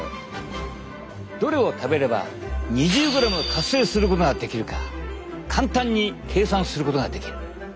どれを食べれば２０ｇを達成することができるか簡単に計算することができる。